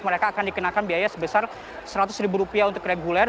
mereka akan dikenakan biaya sebesar rp seratus untuk reguler